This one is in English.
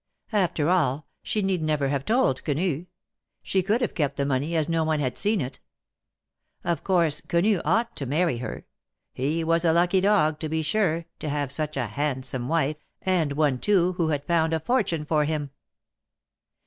After all, she need never have told Quenu ; she could have kept the money, as no one had seen it. Of course, Quenu ought to marry her ! He was a lucky dog, to be sure, to have such a handsome wife, and one, too, who had found a fortune for him.